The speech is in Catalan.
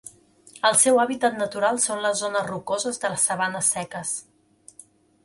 El seu hàbitat natural són les zones rocoses de les sabanes seques.